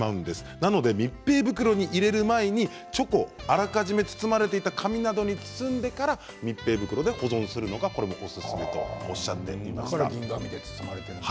なので密閉袋に入れる前にチョコをあらかじめ包まれていた紙などに包んでから密閉袋で保存するのが、おすすめとだから銀紙で包まれているんだ。